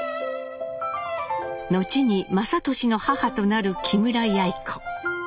後に雅俊の母となる木村やい子。